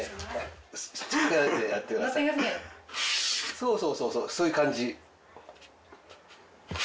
そうそうそういう感じ。